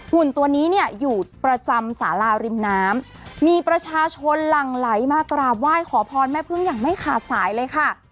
หุ่นตัวนี้เนี่ยอยู่ประจำสาราริมน้ำมีประชาชนหลั่งไหลมากราบไหว้ขอพรแม่พึ่งอย่างไม่ขาดสายเลยค่ะ